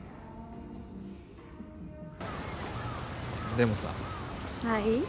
でもさはい？